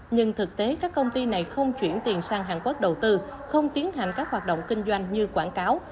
nhưng thực tế các công ty này không chuyển tiền sang hàn quốc đầu tư không tiến hành các hoạt động kinh doanh như quảng cáo